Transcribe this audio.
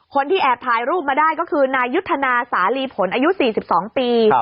คนที่แอบถ่ายรูปมาได้ก็คือนายุทธนาสาลีผลอายุ๔๒ปี